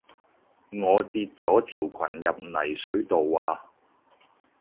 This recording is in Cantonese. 我跌咗條裙入泥水度啊